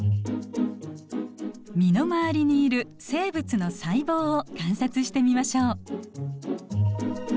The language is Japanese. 身の回りにいる生物の細胞を観察してみましょう。